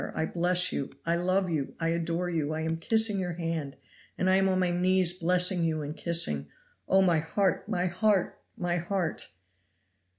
I bless you! I love you! I adore you! I am kissing your hand, and I am on my knees blessing you and kissing. Oh, my heart! my heart! my heart!"